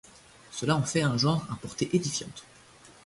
Cela en fait un genre à portée édifiante.